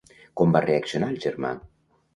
Com va reaccionar el germà?